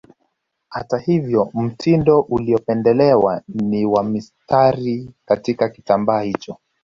Hata hivyo mtindo uliopendelewa ni wa mistari katika kitambaa hicho